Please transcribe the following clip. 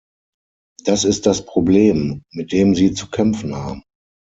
Das ist das Problem, mit dem Sie zu kämpfen haben.